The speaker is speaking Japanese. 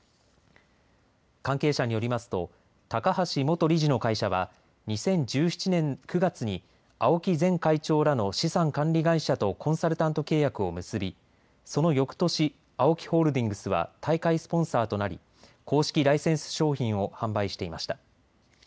関係者によりますと高橋元理事の会社は２０１７年９月に青木前会長らの資産管理会社とコンサルタント契約を結びそのよくとしＡＯＫＩホールディングスは大会スポンサーとなり公式ライセンス商品を販売していました。